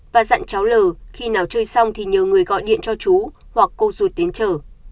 và dặn cháu l khi nào chơi xong thì nhờ người gọi điện cho chú hoặc cô ruột đến chở